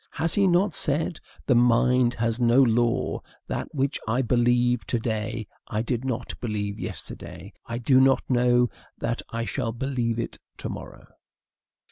Has he not said, "The mind has no law; that which I believe to day, I did not believe yesterday; I do not know that I shall believe it to morrow"?